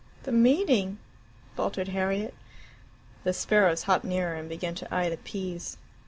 "The meaning " faltered Harriet. The sparrows hopped nearer and began to eye the peas.